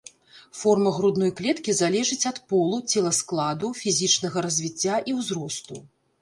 Форма грудной клеткі залежыць ад полу, целаскладу, фізічнага развіцця і ўзросту.